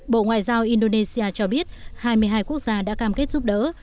bộ ngoại giao indonesia cho biết hai mươi hai quốc gia đã cam kết giúp đỡ